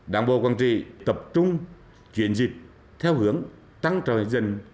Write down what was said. đảng bộ quảng trị tập trung chuyển dịch theo hướng tăng trời dần